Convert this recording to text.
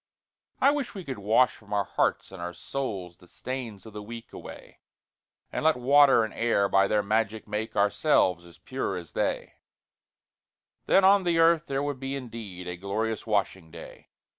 I wish we could wash from our hearts and our souls The stains of the week away, And let water and air by their magic make Ourselves as pure as they; Then on the earth there would be indeed A glorious washing day!